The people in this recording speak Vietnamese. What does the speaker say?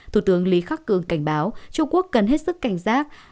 thủ tướng lý khắc cường cảnh báo trung quốc cần hết sức cảnh giác